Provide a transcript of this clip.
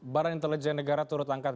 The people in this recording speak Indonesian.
badan intelijen negara turut angkat